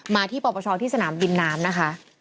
มาที่ปปชที่สนามบินน้ำนะคะ